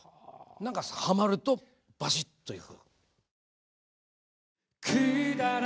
何かはまるとバシッといく。